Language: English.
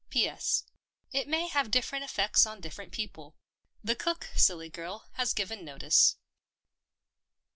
" P.S. — It may have different effects on different people. The cook, silly girl, has given notice."